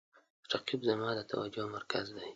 رقیب زما د توجه مرکز دی